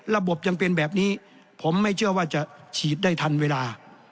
ระบบยังเป็นแบบนี้ผมไม่เชื่อว่าจะฉีดได้ทันเวลา